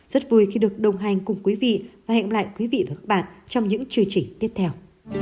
rất vui khi được đồng hành cùng quý vị và hẹn lại quý vị và các bạn trong những chương trình tiếp theo